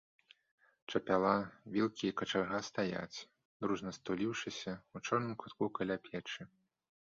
Чапяла, вілкі і качарга стаяць, дружна стуліўшыся, у чорным кутку каля печы.